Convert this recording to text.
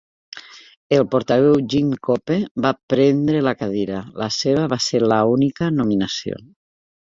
El portaveu Jim Cope va prendre la cadira; la seva va ser la única nominació.